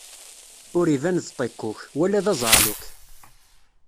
Ur iban d ṭikkuk, wala d aẓaɛluk.